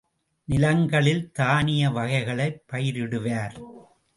நிலங்களில் தானிய வகைகளைப் பயிரிடுவார்.